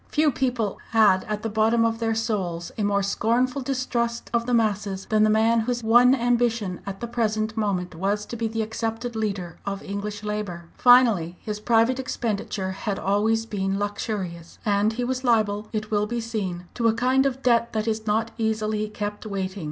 Few people had at the bottom of their souls a more scornful distrust of the "masses" than the man whose one ambition at the present moment was to be the accepted leader of English labour. Finally, his private expenditure had always been luxurious; and he was liable, it will be seen, to a kind of debt that is not easily kept waiting.